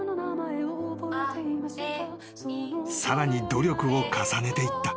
［さらに努力を重ねていった］